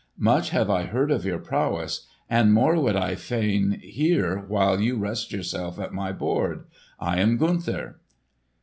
Much have I heard of your prowess, and more would I fain hear while you rest yourself at my board. I am Gunther."